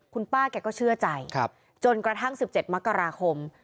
คุณป้าแกก็เชื่อใจจนกระทั่ง๑๗มกราคม